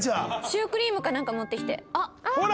シュークリームかなんか持ってきて。